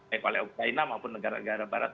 baik oleh ukraina maupun negara negara barat